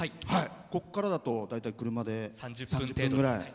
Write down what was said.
ここからだと車で３０分ぐらい。